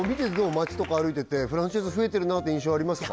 街とか歩いててフランチャイズ増えてるなっていう印象ありますか？